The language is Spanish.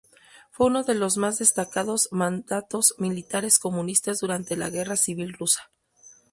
Fue uno de los más destacados mandos militares comunistas durante la Guerra Civil rusa.